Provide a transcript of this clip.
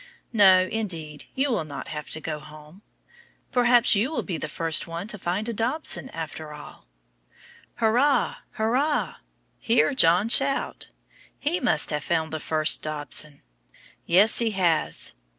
No, indeed, you will not have to go home. Perhaps you will be the first one to find a dobson after all. Hurrah! hurrah! hear John shout! He must have found the first dobson. Yes, he has.